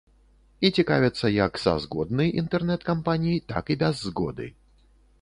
І цікавяцца як са згодны інтэрнэт-кампаній, так і без згоды.